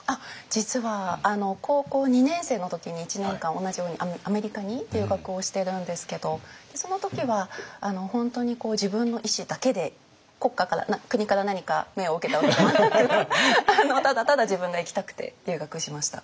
実は高校２年生の時に１年間同じようにアメリカに留学をしてるんですけどその時は本当に自分の意思だけで国家から国から何か命を受けたわけではなくただただ自分が行きたくて留学しました。